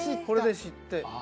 これで知って。